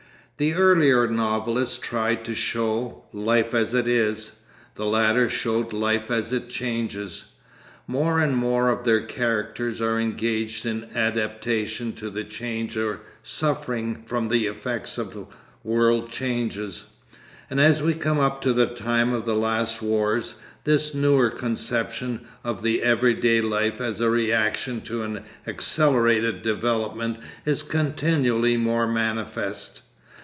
The earlier novelists tried to show 'life as it is,' the latter showed life as it changes. More and more of their characters are engaged in adaptation to change or suffering from the effects of world changes. And as we come up to the time of the Last Wars, this newer conception of the everyday life as a reaction to an accelerated development is continually more manifest.